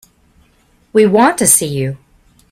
We want to see you.